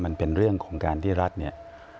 มันเป็นเรื่องของการที่รัฐเนี่ย